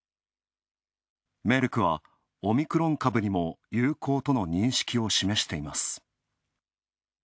メルクは、オミクロン株にも有効との認識を示しています。